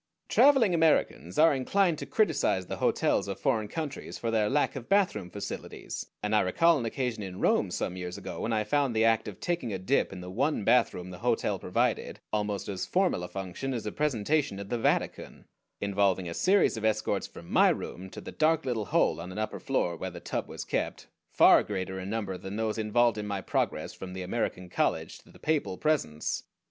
Traveling Americans are inclined to criticize the hotels of foreign countries for their lack of bathroom facilities, and I recall an occasion in Rome some years ago when I found the act of taking a dip in the one bathroom the hotel provided almost as formal a function as a presentation at the Vatican, involving a series of escorts from my room to the dark little hole on an upper floor where the tub was kept, far greater in number than those involved in my progress from the American college to the papal presence.